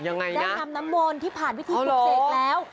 ได้ทำน้ำมนที่ผ่านวิธีปุศกแล้ว